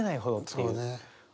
そうね。